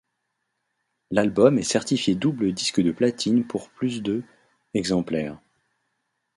L'album est certifié double disque de platine pour plus de exemplaires.